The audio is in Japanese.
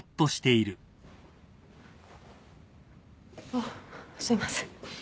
あっすいません。